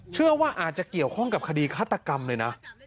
เชื่อว่าอาจจะเกี่ยวข้องกับคดีฆาตกรรมเลยนะ